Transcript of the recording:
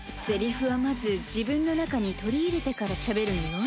セリフはまず自分の中に取り入れてからしゃべるのよ。